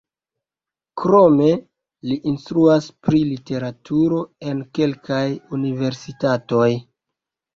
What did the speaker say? Krome li instruas pri literaturo en kelkaj universitatoj.